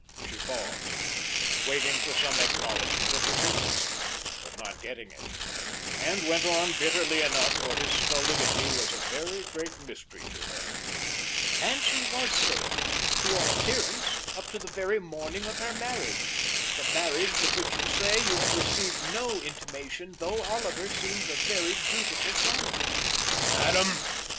She paused, waiting for some acknowledgment of his interest, but not getting it, went on bitterly enough, for his stolidity was a very great mystery to her: "And she WAS safe, to all appearance, up to the very morning of her marriage the marriage of which you say you had received no intimation though Oliver seems a very dutiful son." "Madam!"